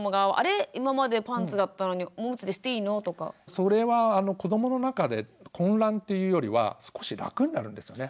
それは子どもの中で混乱っていうよりは少し楽になるんですね。